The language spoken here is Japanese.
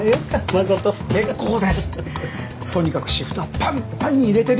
誠結構ですとにかくシフトはパンパンに入れてるよ